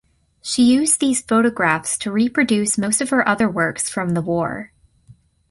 She used these photographs to reproduce most of her other works from the war.